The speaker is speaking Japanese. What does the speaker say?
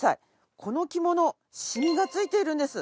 この着物しみがついているんです。